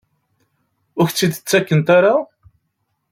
Ur ak-t-id-ttakent ara?